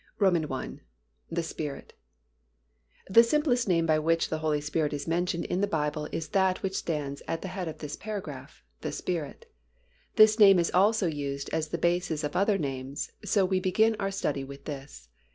I. The Spirit. The simplest name by which the Holy Spirit is mentioned in the Bible is that which stands at the head of this paragraph—"The Spirit." This name is also used as the basis of other names, so we begin our study with this.